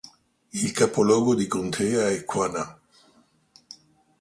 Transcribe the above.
Il capoluogo di contea è Quanah.